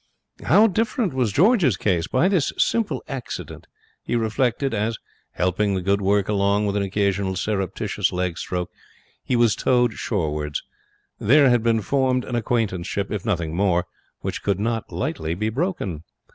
How different was George's case! By this simple accident, he reflected, as, helping the good work along with an occasional surreptitious leg stroke, he was towed shorewards, there had been formed an acquaintanceship, if nothing more, which could not lightly be broken.